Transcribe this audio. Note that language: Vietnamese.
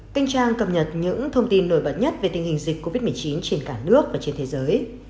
kinh trang cập nhật những thông tin nổi bật nhất về tình hình dịch covid một mươi chín trên cả nước và trên thế giới